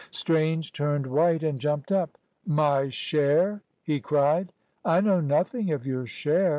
Strange turned white and jumped up. "My share!" he cried. "I know nothing of your share.